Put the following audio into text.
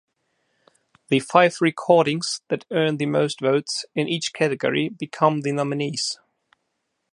The five recordings that earn the most votes in each category become the nominees.